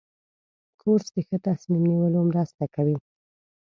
کورس د ښه تصمیم نیولو مرسته کوي.